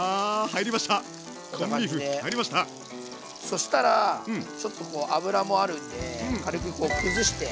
そしたらちょっとこう脂もあるんで軽くこう崩して。